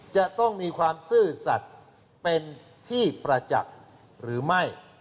จะต้องมีความซื่อสัตว์เป็นที่ประจักษ์หรือไม่